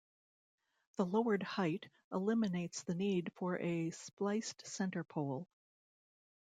The lowered height eliminates the need for a spliced center pole.